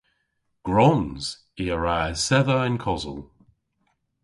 Gwrons. I a wra esedha yn kosel.